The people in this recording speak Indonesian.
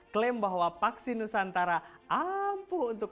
klaim bahwa vaksin nusantara ampuh untuk